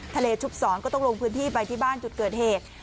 ชุบสอนก็ต้องลงพื้นที่ไปที่บ้านจุดเกิดเหตุ